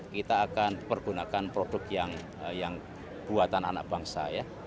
kita akan pergunakan produk yang buatan anak bangsa ya